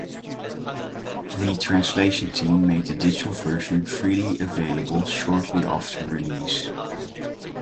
The translation team made the digital version freely available shortly after release.